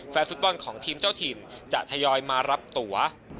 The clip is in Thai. แฟนฟุตบอลของทีมเจ้าถิ่นจะทยอยมารับตัว